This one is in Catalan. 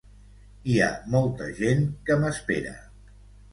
Hi ha molta gent que m’espera.